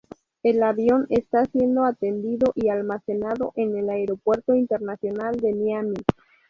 El avión está siendo atendido y almacenado en el Aeropuerto Internacional de Miami.